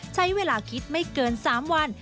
ใช้เวลาคิดไม่เกิน๓วัน